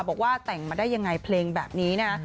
บอกว่าแต่งมาได้ยังไงเพลงแบบนี้นะ